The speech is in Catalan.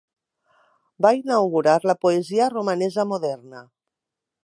Va inaugurar la poesia romanesa moderna.